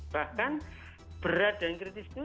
bahkan berat dan kritis itu